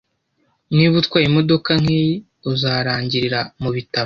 Niba utwaye imodoka nkiyi, uzarangirira mubitaro.